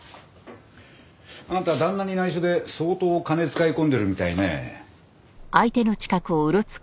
あんた旦那に内緒で相当金使い込んでるみたいね。